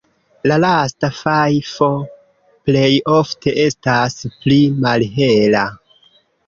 La lasta fajfo plej ofte estas pli malhela.